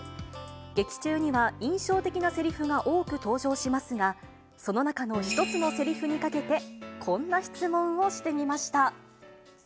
劇中には印象的なせりふが多く登場しますが、その中の１つのせりふにかけて、こんな質問をしてみました。